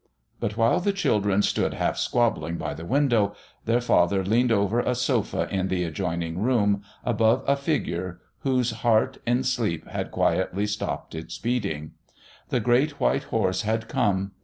But while the children stood half squabbling by the window, their father leaned over a sofa in the adjoining room above a figure whose heart in sleep had quietly stopped its beating. The great white horse had come.